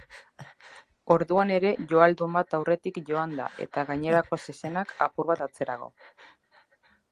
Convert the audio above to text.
Orduan ere joaldun bat aurretik joan da eta gainerako zezenak apur bat atzerago.